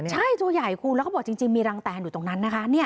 ใช่ตัวใหญ่คุณแล้วเขาบอกจริงมีรังแตนอยู่ตรงนั้นนะคะ